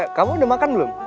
ya kamu udah makan belum